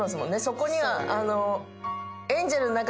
そこには。